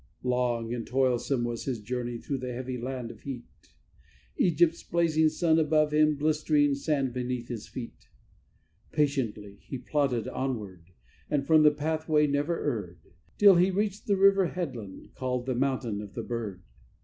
Long and toilsome was his journey through the heavy land of heat, Egypt's blazing sun above him, blistering sand beneath his feet. Patiently he plodded onward, from the pathway never erred, Till he reached the river headland called the Mountain of the Bird.